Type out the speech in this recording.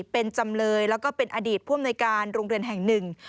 เป็นจำเลยแล้วก็เป็นอดีตผู้อำนวยการโรงเรียนแห่งหนึ่ง